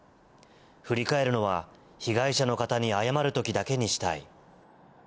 振り返るのは、被害者の方に謝るときだけにしたい。